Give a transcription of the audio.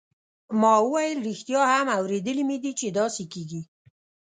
ما وویل ریښتیا هم اوریدلي مې دي چې داسې کیږي.